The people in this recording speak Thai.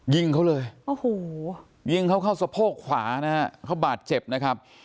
ยิงเขาเลยโอ้โหยิงเขาเข้าสะโพกขวานะฮะเขาบาดเจ็บนะครับ